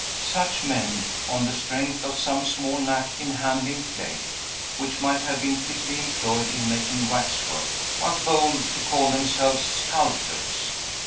Such men, on the strength of some small knack in handling clay, which might have been fitly employed in making wax work, are bold to call themselves sculptors.